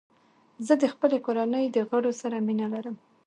زه د خپلې کورنۍ د غړو سره مینه لرم.